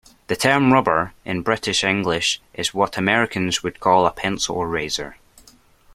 The term rubber in British English is what Americans would call a pencil eraser